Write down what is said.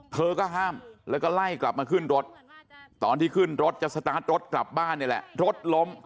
เธอก็ห้ามแล้วก็ไล่กลับมาขึ้นรถตอนที่ขึ้นรถจะสตาร์ทรถกลับบ้านนี่แหละรถล้ม